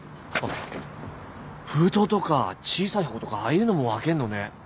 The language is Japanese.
封筒とか小さい箱とかああいうのも分けんのね。